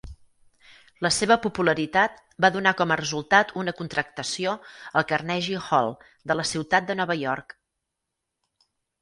La seva popularitat va donar com a resultat una contractació al Carnegie Hall de la ciutat de Nova York.